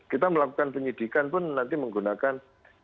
kita melakukan penyidikan pun nanti menggunakan